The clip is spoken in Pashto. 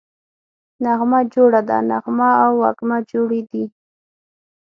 نغمه جوړه ده → نغمه او وږمه جوړې دي